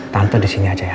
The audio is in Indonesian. tante disini aja ya